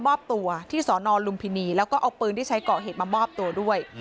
มอบตัวที่สอนอลุมพินีแล้วก็เอาปืนที่ใช้ก่อเหตุมามอบตัวด้วย